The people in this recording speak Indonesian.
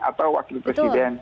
atau wakil presiden